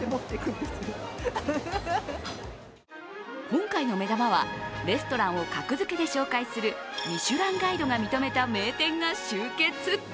今回の目玉は、レストランを格付けで紹介する「ミシュランガイド」が認めた名店が集結。